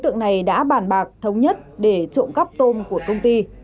hoặc thống nhất để trộm cắp tôm của công ty